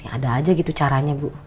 ada aja gitu caranya bu